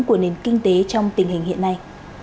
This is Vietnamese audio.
của nền kinh tế trong tình hình hiện nay